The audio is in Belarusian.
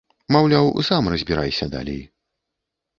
Маўляў, сам разбірайся далей.